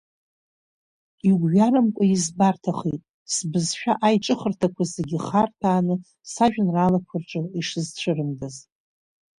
Игәҩарамкәа избарҭахеит, сбызшәа аиҿыхырҭақәа зегьы харҭәааны сажәеинраалақәа рҿы ишсызцәырымгаз.